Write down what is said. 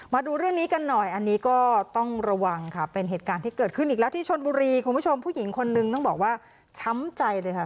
มาดูเรื่องนี้กันหน่อยอันนี้ก็ต้องระวังค่ะเป็นเหตุการณ์ที่เกิดขึ้นอีกแล้วที่ชนบุรีคุณผู้ชมผู้หญิงคนนึงต้องบอกว่าช้ำใจเลยค่ะ